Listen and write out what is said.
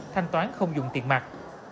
thanh toán không dùng tiền mặt